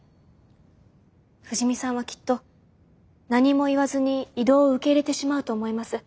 藤見さんはきっと何も言わずに異動を受け入れてしまうと思います。